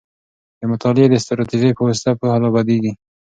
د مطالعې د استراتيژۍ په واسطه پوهه لا بدیږي.